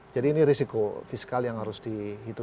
jadi ini risiko fiskal yang harus dihitung